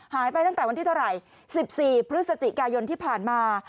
หายไปตั้งแต่วันที่เท่าไหร่๑๔พฤศจิกายนที่ผ่านมา